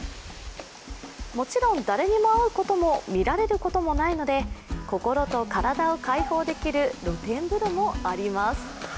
もちろん誰にも会うことも見られることもないので心と体を解放できる露天風呂もあります。